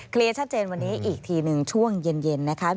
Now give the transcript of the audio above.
ชัดเจนวันนี้อีกทีหนึ่งช่วงเย็นนะคะ